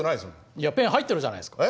いやペン入ってるじゃないですか。